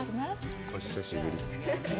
お久しぶり。